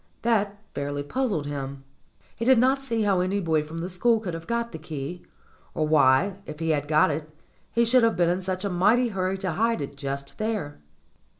That fairly puzzled him. He did not see how any boy from the school could have got the key, or why if he had got it he should have been in such a mighty hurry to hide it just there.